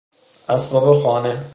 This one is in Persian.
اسباب خانه